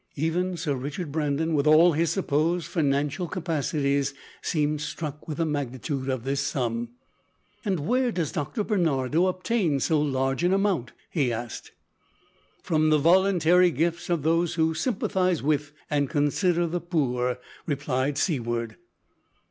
Even Sir Richard Brandon, with all his supposed financial capacities, seemed struck with the magnitude of this sum. "And where does Dr Barnardo obtain so large an amount?" he asked. "From the voluntary gifts of those who sympathise with and consider the poor," replied Seaward.